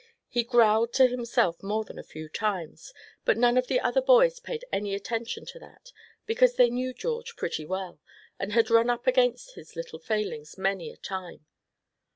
He growled to himself more than a few times; but none of the other boys paid any attention to that; because they knew George pretty well, and had run up against his little failings many a time.